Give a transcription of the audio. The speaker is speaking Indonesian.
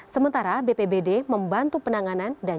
sementara bpbd membantu penanganan dan